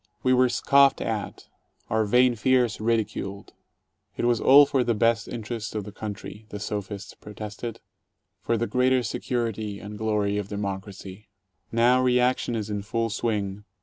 We were scoffed at, our "vain fears" ridiculed. It was all for the best interests of the country — the sophists protested — for the greater security and glory of Democracy. II Now reaction is in full swing.